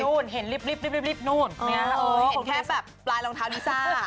เห็นรีบนู่นเห็นแค่แบบปลายรองเท้าลิซ่า